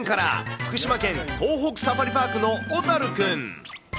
福島県東北サファリパークのおたるくん。